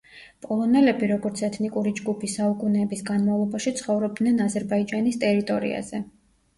პოლონელები, როგორც ეთნიკური ჯგუფი, საუკუნეების განმავლობაში ცხოვრობდნენ აზერბაიჯანის ტერიტორიაზე.